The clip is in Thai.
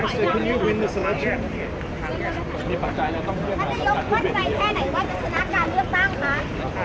มันจะยกวทใดแค่ไหนวะจะสนับการเลือกตั้งคะ